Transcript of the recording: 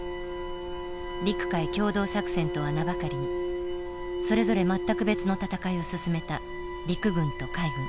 陸海協同作戦とは名ばかりにそれぞれ全く別の戦いを進めた陸軍と海軍。